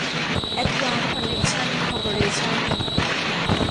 แอดวานซ์ คอนเนคชั่น คอร์ปอเรชั่น